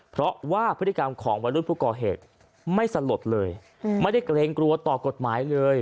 เพราะว่าพฤติกรรมของวัยรุ่นผู้ก่อเหตุไม่สลดเลยไม่ได้เกรงกลัวต่อกฎหมายเลย